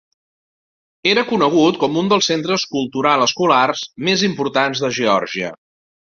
Era conegut com un dels centres cultural-escolars més importants de Geòrgia.